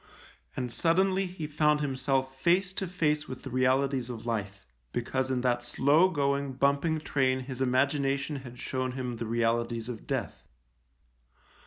And suddenly he found himself face to face with the realities of life — because in that slow going, bumping train his imagina tion had shown him the realities of death.